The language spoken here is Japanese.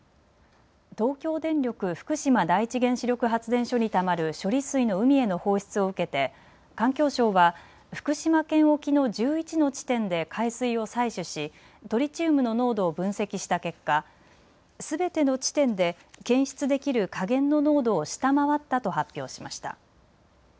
東京電力福島第一原子力発電所にたまる処理水の海への放出を受けて、環境省は福島県沖の１１の地点で海水を採取しトリチウムの濃度を分析した結果、すべての地点で検出できる下限の濃度を下回ったと発表しました。